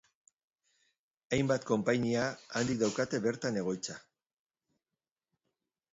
Hainbat konpainia handik daukate bertan egoitza.